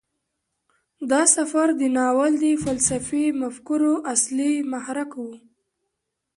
دا سفر د ناول د فلسفي مفکورو اصلي محرک و.